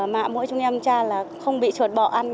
mạ mũi chúng em tra là không bị chuột bọ ăn